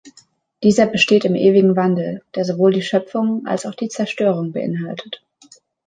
Dieser besteht im ewigen Wandel, der sowohl die Schöpfung als auch die Zerstörung beinhaltet.